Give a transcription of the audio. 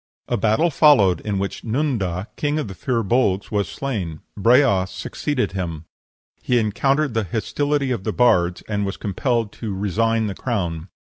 A battle followed, in which Nunda, king of the Fir Bolgs, was slain; Breas succeeded him; he encountered the hostility of the bards, and was compelled to resign the crown.